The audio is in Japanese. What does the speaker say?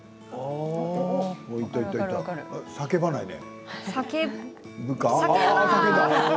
叫ばないね。